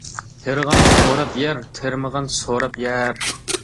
تېرىغان ئوراپ يەر، تېرىمىغان سوراپ يەر.